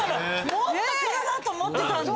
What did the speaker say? もっと来るなと思ってたんで。